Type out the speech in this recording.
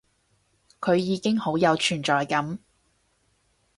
佢已經好有存在感